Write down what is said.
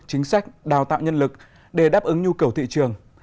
chính sách đào tạo nhân lực để đáp ứng nhu cầu thị trường